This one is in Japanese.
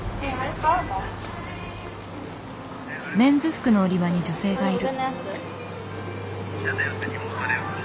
メンズ服の売り場に女性がいる。